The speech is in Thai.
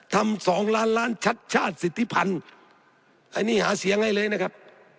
ทำ๒ล้านล้านชาติชาติสิทธิพันธุ์ไอ้นี่หาเสียงให้เลยนะครับ